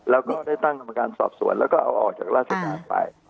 แล้วก็ได้ตั้งกรรมการสอบสวนแล้วก็เอาออกจากราชการไป